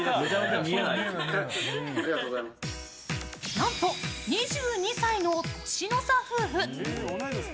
何と２２歳の年の差夫婦。